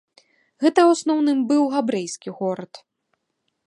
Гэта ў асноўным быў габрэйскі горад.